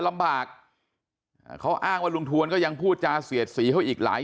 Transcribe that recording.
ลำบากเขาอ้างว่าลุงทวนก็ยังพูดจาเสียดสีเขาอีกหลาย